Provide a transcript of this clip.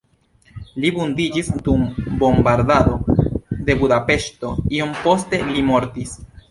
Li vundiĝis dum bombardado de Budapeŝto, iom poste li mortis.